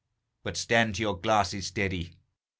But stand to your glasses, steady!